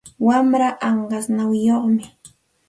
Wamraa anqas nawiyuqmi.